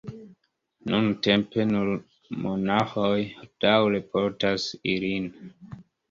Nuntempe nur monaĥoj daŭre portas ilin.